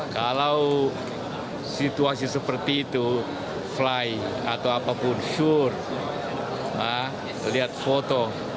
kalau situasi seperti itu fly atau apapun sur lihat foto